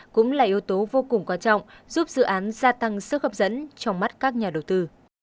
cũng là yếu tố vô cùng quan trọng giúp dự án gia tăng sức hấp dẫn trong mắt các nhà đầu tư